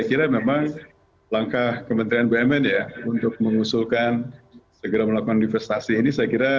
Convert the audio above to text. saya kira memang langkah kementerian bumn ya untuk mengusulkan segera melakukan investasi ini saya kira